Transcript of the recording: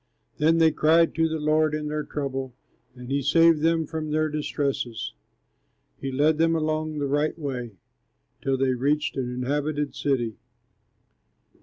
Then they cried to the Lord in their trouble, And he saved them from their distresses. He led them along the right way, Till they reached an inhabited city.